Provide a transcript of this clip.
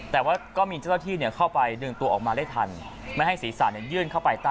แต่ว่าก็มีเจ้าที่เนี่ยเข้าไปดึงตัวออกมาได้ทันไม่ให้ศรีศาสตร์เนี่ยยื่นเข้าไปใต้